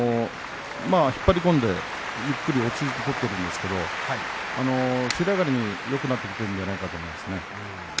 引っ張り込んでゆっくりと落ち着いて取っているんですけれど尻上がりによくなってきているんじゃないかなと思いますね。